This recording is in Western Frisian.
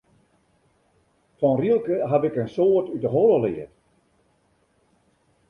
Fan Rilke haw ik in soad út de holle leard.